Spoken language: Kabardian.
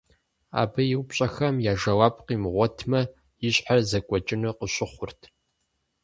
Абы и упщӀэхэм я жэуап къимыгъуэтмэ, и щхьэр зэкӀуэкӀыну къыщыхъурт.